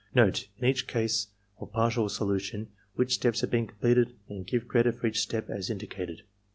Note in each case of partial solution which steps have been completed, and give credit for each step as indicated.